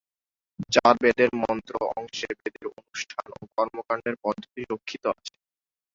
চার বেদের মন্ত্র অংশে বেদের অনুষ্ঠান ও কর্মকাণ্ডের পদ্ধতি রক্ষিত আছে।